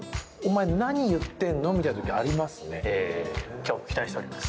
今日も期待しております。